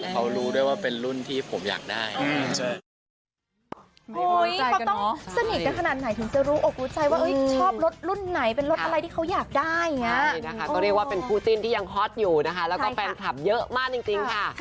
เขารู้ด้วยว่าเป็นรุ่นที่ผมอยากได้